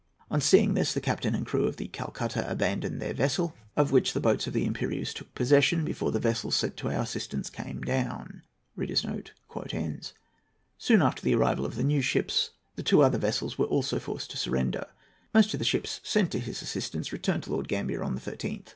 On seeing this, the captain and the crew of the Calcutta abandoned their vessel, of which the boats of the Impérieuse took possession before the vessels sent to our assistance came down." Soon after the arrival of the new ships, the two other vessels were also forced to surrender. Most of the ships sent to his assistance returned to Lord Grambier on the 13th.